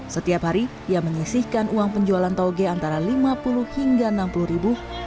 setiap hari ia mengisihkan uang penjualan tauge antara rp lima puluh hingga rp enam puluh